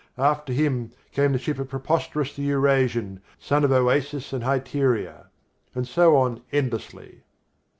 And after him came the ship of Preposterus the Eurasian, son of Oasis and Hyteria," ... and so on endlessly.